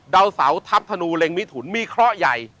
เดาเสาทับธนูเร่งมิถุนมีข้อใหญ่